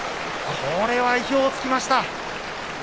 これは意表を突きました。